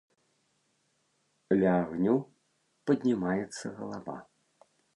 Ля агню паднімаецца галава.